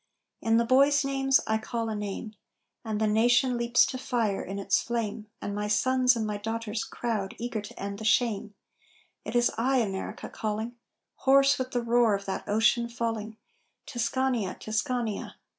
In the boys' names I call a name, And the nation leaps to fire in its flame And my sons and my daughters crowd, eager to end the shame It is I, America, calling, Hoarse with the roar of that ocean falling, _Tuscania! Tuscania!